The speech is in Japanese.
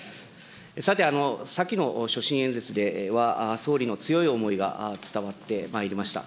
さて、先の所信演説では総理の強い思いが伝わってまいりました。